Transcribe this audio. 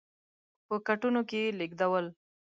په کټونو کې یې لېږدول.